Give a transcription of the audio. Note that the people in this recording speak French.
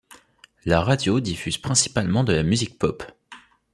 La radio diffuse principalement de la musique pop.